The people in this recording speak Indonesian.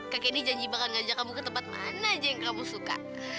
kakek ini janji bakal ngajak kamu ke tempat mana aja yang kamu suka